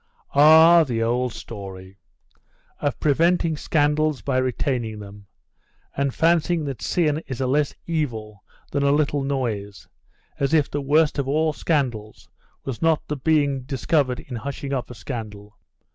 'Ah, the old story of preventing scandals by retaining them, and fancying that sin is a less evil than a little noise; as if the worst of all scandals was not the being discovered in hushing up a scandal.